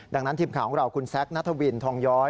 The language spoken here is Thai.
ดังนั้นทีมข่าวของเราคุณแซคนัทวินทองย้อย